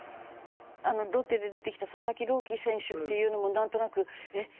ロッテで出てきた佐々木朗希選手っていうのもなんとなくえっ